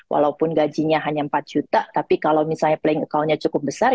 walaupun gajinya hanya empat juta tapi kalau misalnya playing accountnya cukup besar